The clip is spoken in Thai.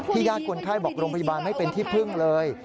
ญาติคนไข้บอกโรงพยาบาลไม่เป็นที่พึ่งเลย